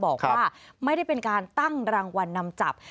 บอกว่าไม่ได้เป็นการตั้งรางวัลนำจับ